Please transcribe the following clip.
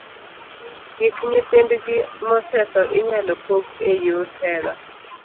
Gik nyithindgi mosetho inyalo pog e yor hera.